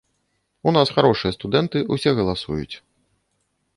У нас харошыя студэнты, усе галасуюць.